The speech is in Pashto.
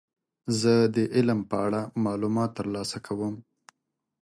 زه د علم په اړه معلومات ترلاسه کوم.